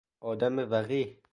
آدم وقیح